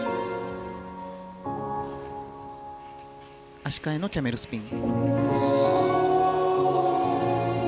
足換えのキャメルスピン。